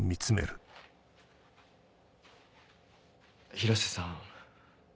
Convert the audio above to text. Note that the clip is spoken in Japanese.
広瀬さん。